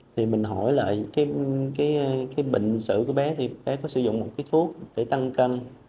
thì mình hỏi là cái bệnh sử của bé thì bé có sử dụng một cái thuốc để tăng cân